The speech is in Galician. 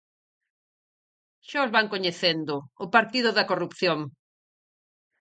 Xa os van coñecendo: o partido da corrupción.